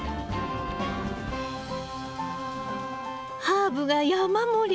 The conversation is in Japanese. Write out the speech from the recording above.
ハーブが山盛り。